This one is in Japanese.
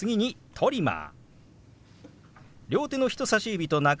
「トリマー」。